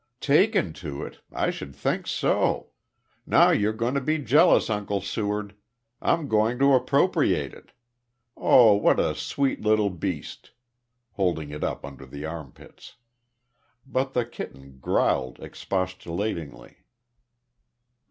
"Taken to it? I should think so. Now you're going to be jealous, Uncle Seward. I'm going to appropriate it. Oh, what a sweet little beast!" holding it up under the armpits. But the kitten growled expostulatingly.